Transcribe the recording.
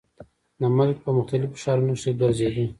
د ملک پۀ مختلفو ښارونو کښې ګرزيدو ۔